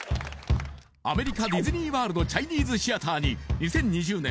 アメリカディズニー・ワールドチャイニーズシアターに２０２０年